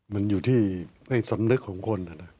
มันอยู่ที่สำนึกของคน